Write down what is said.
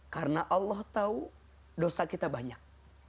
karena allah tahu dosa kita banyak